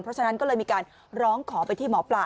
เพราะฉะนั้นก็เลยมีการร้องขอไปที่หมอปลา